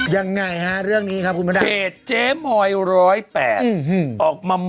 ยังไงฮะเรื่องนี้ครับคุณพระราชเกดเจมอย๑๐๘ออกมามาแล้ว